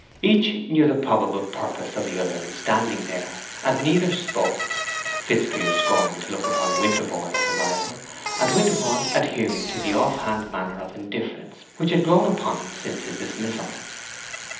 Each knew the probable purpose of the other in standing there, and neither spoke, Fitzpiers scorning to look upon Winterborne as a rival, and Winterborne adhering to the off hand manner of indifference which had grown upon him since his dismissal.